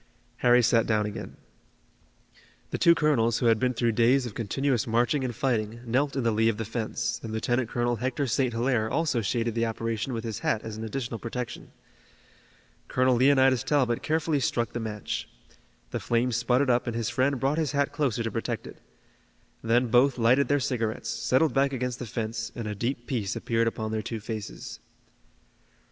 Harry sat down again. The two colonels, who had been through days of continuous marching and fighting, knelt in the lee of the fence, and Lieutenant Colonel Hector St. Hilaire also shaded the operation with his hat as an additional protection. Colonel Leonidas Talbot carefully struck the match. The flame sputtered up and his friend brought his hat closer to protect it. Then both lighted their cigarettes, settled back against the fence, and a deep peace appeared upon their two faces.